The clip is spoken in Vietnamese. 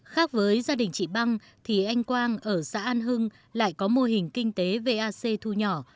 khác với gia đình chị băng thì anh quang ở xã an hưng lại có mô hình kinh tế vac thu nhỏ